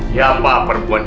siapa perempuan ini